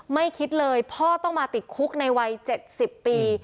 ไม่คิดเลยพ่อต้องมาติดคุกในวัย๗๐ปี